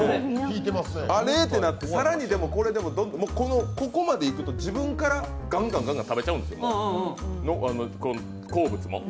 あれ？ってなって、ここまでいくと自分からがんがん食べちゃうんですよ、好物も。